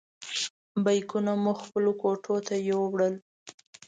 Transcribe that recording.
بیکونه مو خپلو کوټو ته یوړل.